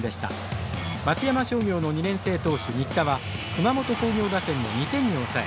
松山商業の２年生投手・新田は熊本工業打線を２点に抑え